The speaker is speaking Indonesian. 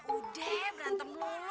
udah berantem dulu